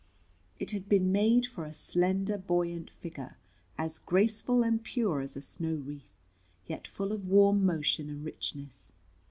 It had been made for a slender, buoyant figure, as graceful and pure as a snow wreath, yet full of warm motion and richness.